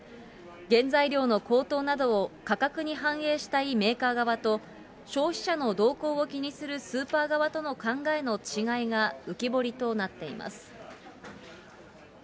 原材料の高騰などを価格に反映したいメーカー側と消費者の動向を気にするスーパー側との考えの違いが浮き彫りとなっています。